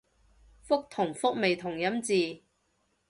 覆同復咪同音字